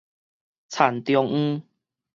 田中央